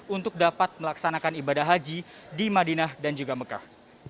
untuk dapat melaksanakan ibadah haji di madinah dan juga mekah